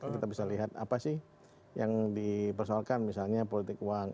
kita bisa lihat apa sih yang dipersoalkan misalnya politik uang